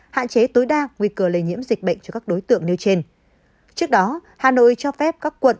hạn chế tối đa nguy cơ lây nhiễm dịch bệnh cho các đối tượng nêu trên